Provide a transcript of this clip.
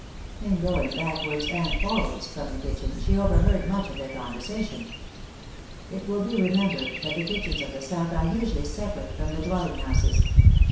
In going backwards and forwards from the kitchen, she overheard much of their conversation. It will be remembered that the kitchens at the South are usually separate from the dwelling houses.